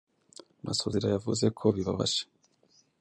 Masozera yavuze ko bibabaje